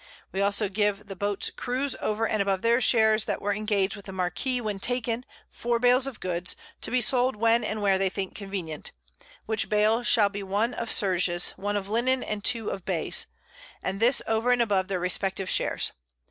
We also give the Boats Crews over and above their Shares, that were engag'd with the_ Marquis, _when taken, four Bails of Goods, to be sold when and where they think convenient; which Bail, shall be 1 of Serges, 1 of Linnen, and 2 of Bays; and this over and above their respective Shares.